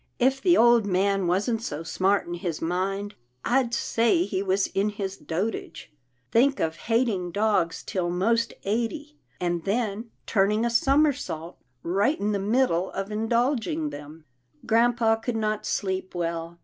"If the old man wasn't so smart in his mind, I'd say he was in his dotage. Think of 240 'TILDA JANE'S ORPHANS hating dogs till most eighty, and then turning a somersault right in the middle of indulging them." Grampa could not sleep well.